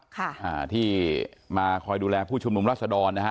ค่ะอ่าที่มาคอยดูแลผู้ชุมนุมรัศดรนะฮะ